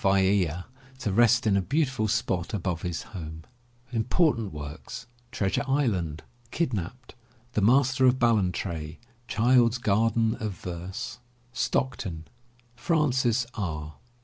Vaea to rest in a beautiful spot above his home. Treasure Island. Kidnapped. The Master of Ballantrae. Child's Garden of Verse. STOCKTON, FRANCIS R.